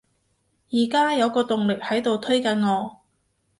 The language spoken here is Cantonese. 而家有個動力喺度推緊我